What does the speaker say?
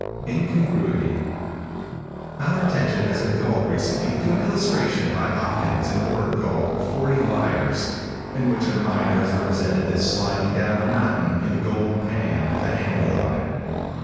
INCONGRUITY |OUR attention has been called recently to an illustration by Hopkins in a work called Forty Liars, in which a miner is represented as sliding down a mountain in a gold pan with a handle on it.